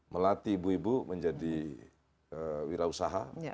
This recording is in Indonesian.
melatih ibu ibu menjadi wirausaha